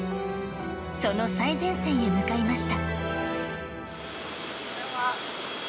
その最前線へ向かいました。